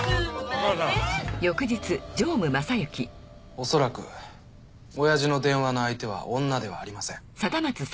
おそらく親父の電話の相手は女ではありません。